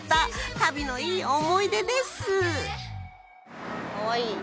旅のいい思い出ですかわいい！